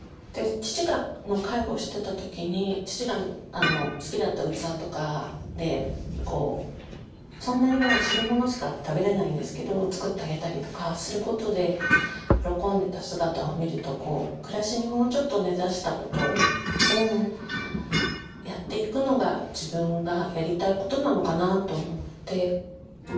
父の介護をしてた時に父が好きだった器とかでそんなにもう汁物しか食べれないんですけど作ってあげたりとかすることで喜んでた姿を見ると暮らしにもうちょっと根ざしたことをやっていくのが自分がやりたいことなのかなと思って。